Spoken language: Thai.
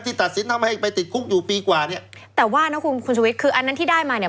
ตัดสินทำให้ไปติดคุกอยู่ปีกว่าเนี่ยแต่ว่านะคุณคุณชุวิตคืออันนั้นที่ได้มาเนี่ย